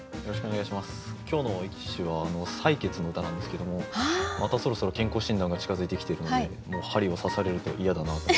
今日の一首は採血の歌なんですけどもまたそろそろ健康診断が近づいてきているのでもう針を刺されると嫌だなと。